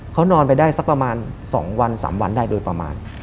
เขานอนไปได้สักประมาณ๒วัน๓วันได้โดยประมาณ